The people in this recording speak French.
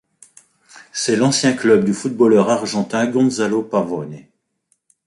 C'est l'ancien club du footballeur argentin Gonzalo Pavone.